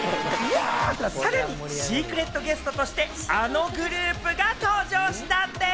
さらにシークレットゲストとしてあのグループが登場したんでぃす！